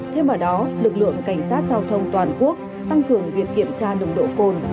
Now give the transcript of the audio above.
thêm vào đó lực lượng cảnh sát giao thông toàn quốc tăng cường việc kiểm tra nồng độ cồn